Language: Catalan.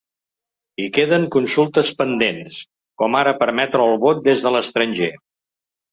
I queden consultes pendents, com ara permetre el vot des de l’estranger.